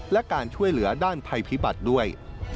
และการช่วยเหลือด้านภัยพิบัติด้วย